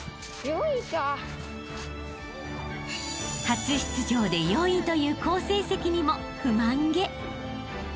［初出場で４位という好成績にも不満げ］